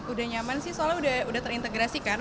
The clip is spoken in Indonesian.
udah nyaman sih soalnya udah terintegrasi kan